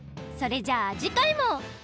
それじゃあじかいも。